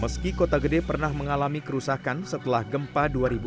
meski kota gede pernah mengalami kerusakan setelah gempa dua ribu dua